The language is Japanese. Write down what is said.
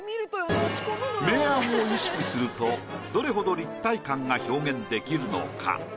明暗を意識するとどれほど立体感が表現できるのか。